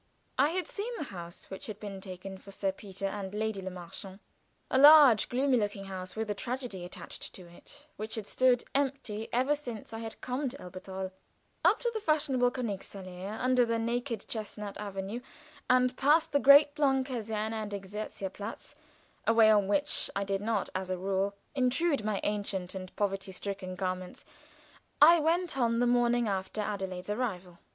I had seen the house which had been taken for Sir Peter and Lady Le Marchant a large, gloomy looking house, with a tragedy attached to it, which had stood empty ever since I had come to Elberthal. Up to the fashionable Königsallée, under the naked chestnut avenue, and past the great long Caserne and Exerzierplatz a way on which I did not as a rule intrude my ancient and poverty stricken garments, I went on the morning after Adelaide's arrival.